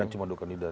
cuma dua kandidat